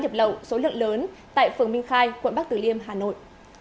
nhập lậu số lượng lớn tại phường minh khai quận bắc tử liêm hà nội